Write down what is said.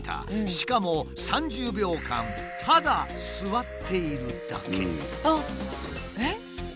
しかも３０秒間ただ座っているだけ。